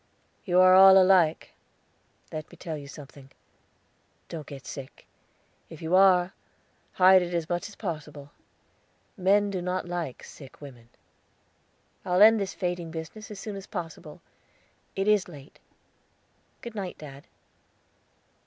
"You are all alike. Let me tell you something; don't get sick. If you are, hide it as much as possible. Men do not like sick women." "I'll end this fading business as soon as possible. It is late. Good night, dad."